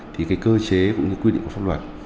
thì cái cơ chế cũng như quy định của pháp luật